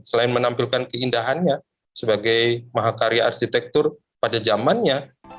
selain menampilkan keindahannya sebagai mahakarya arsitektur pada zamannya